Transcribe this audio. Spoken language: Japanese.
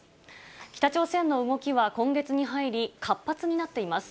北朝鮮の動きは今月に入り、活発になっています。